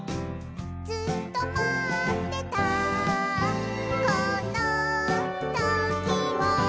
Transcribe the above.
「ずっとまってたこのときを」